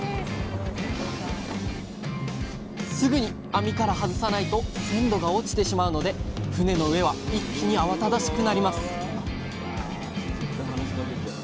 すぐに網から外さないと鮮度が落ちてしまうので船の上は一気に慌ただしくなります